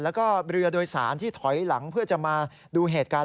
แล้วก็เรือโดยสารที่ถอยหลังเพื่อจะมาดูเหตุการณ์